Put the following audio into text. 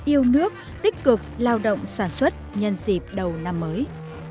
yêu nước tích cực lao động sản xuất nhân dịp đầu năm mới